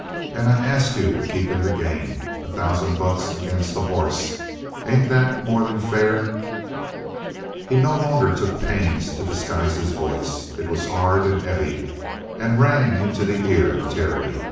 And I ask you to keep in the game. A thousand bucks ag'in' a boss. Ain't that more'n fair?" He no longer took pains to disguise his voice. It was hard and heavy and rang into the ear of Terry.